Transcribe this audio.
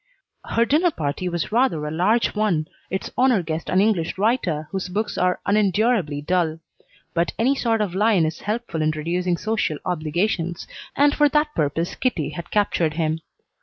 Her dinner party was rather a large one, its honor guest an English writer whose books are unendurably dull; but any sort of lion is helpful in reducing social obligations, and for that purpose Kitty had captured him.